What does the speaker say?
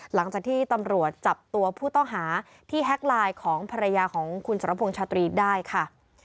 หลังจากที่ตำรวจจับตัวผู้ต้องหาที่แฮ็กไลน์ของภรรยาของคุณสรพงษ์ชาตรีได้ค่ะ